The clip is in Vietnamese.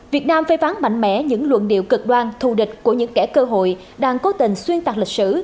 việt nam phê phán mạnh mẽ những luận điệu cực đoan thù địch của những kẻ cơ hội đang cố tình xuyên tạc lịch sử